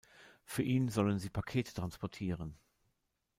Für ihn sollen sie Pakete transportieren.